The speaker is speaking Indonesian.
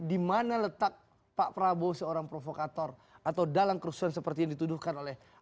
dimana letak pak prabowo seorang provokator atau dalang kerusuhan seperti yang dituduhkan oleh